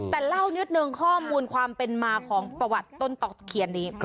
แต่เล่านิดนึงข้อมูลความเป็นมาของประวัติต้นตอกตะเคียนนี้